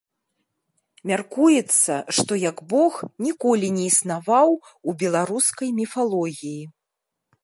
Мяркуецца, што як бог ніколі не існаваў у беларускай міфалогіі.